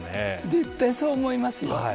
絶対そう思いますよ。